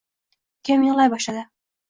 Ukam yig‘lay boshlaydi.